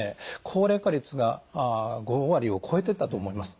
高齢化率が５割を超えてたと思います。